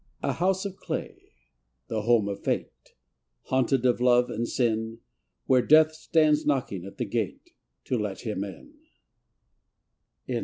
A house of clay, the home of Fate, Haunted of Love and Sin, Where Death stands knocking at the gate To let him in.